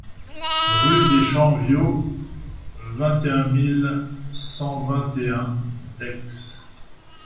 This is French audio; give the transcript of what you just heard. Rue des Champs Viaux, vingt et un mille cent vingt et un Daix